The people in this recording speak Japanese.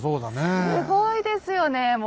すごいですよねえ。